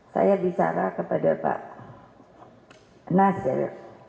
saya bicara kepada pak nasir